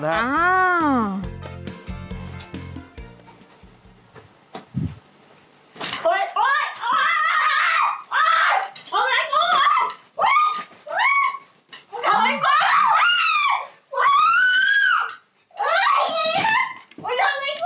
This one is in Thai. ดื่มแพงใช่ไหมครับกูไม่ทำให้กู